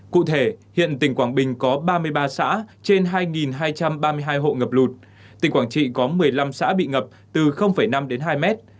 cụ thể hiện tỉnh quảng bình có ba mươi ba xã trên hai hai trăm ba mươi hai hộ ngập lụt tỉnh quảng trị có một mươi năm xã bị ngập từ năm đến hai mét